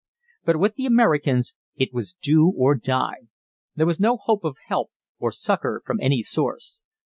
But with the Americans it was do or die. There was no hope of help or succor from any source.